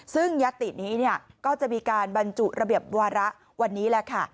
ซึ่งยัตตินี้ก็จะมีการบรรจุระเบียบวาระวันนี้แหละค่ะ